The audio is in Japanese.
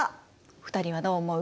２人はどう思う？